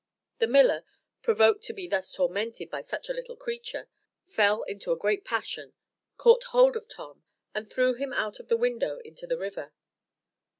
The miller, provoked to be thus tormented by such a little creature, fell into a great passion, caught hold of Tom, and threw him out of the window into the river.